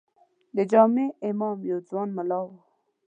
د جامع امام یو ځوان ملا و.